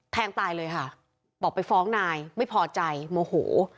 แทงตายเลยค่ะบอกไปฟ้องนายไม่พอใจโมโห